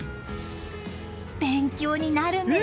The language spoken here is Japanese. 勉強になるね！